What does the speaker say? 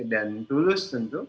dan tulus tentu